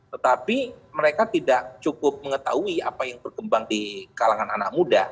tetapi mereka tidak cukup mengetahui apa yang berkembang di kalangan anak muda